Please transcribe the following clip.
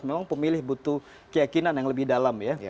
memang pemilih butuh keyakinan yang lebih dalam ya